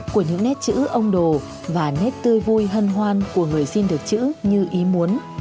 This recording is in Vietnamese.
của những nét chữ ông đồ và nét tươi vui hân hoan của người xin được chữ như ý muốn